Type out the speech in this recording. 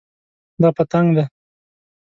دا پتنګ ده